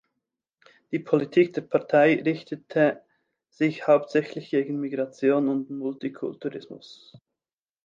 Die Politik der Partei richtete sich hauptsächlich gegen Migration und Multikulturalismus.